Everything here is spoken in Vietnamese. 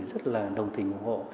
rất là đồng tình ủng hộ